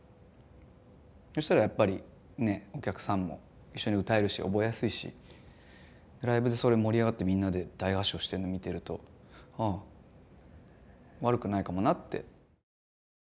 そしたらやっぱりねえお客さんも一緒に歌えるし覚えやすいしライブでそれ盛り上がってみんなで大合唱してるの見てるとああ悪くないかもなって。